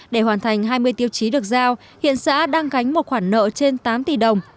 để hoàn thành hai mươi tiêu chí được giao hiện xã đang cài đặt nợ cơ bản